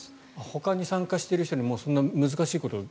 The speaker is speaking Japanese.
ほかに参加している人にそんな難しいこと。